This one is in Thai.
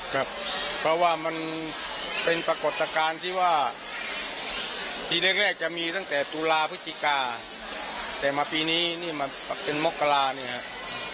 ครับเพราะว่ามันเป็นปรากฏการณ์ที่ว่าทีแรกจะมีตั้งแต่ตุลาพฤศจิกาแต่มาปีนี้นี่มาเป็นมกราเนี่ยครับ